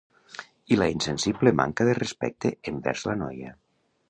I la insensible manca de respecte envers la noia.